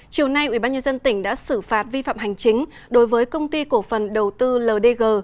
chiều nay ubnd tỉnh đã xử phạt vi phạm hành chính đối với công ty cổ phần đầu tư ldg